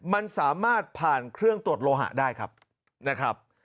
มันสามารถผ่านเครื่องตรวจโลหะได้ครับนะครับ